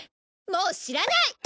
もう知らない！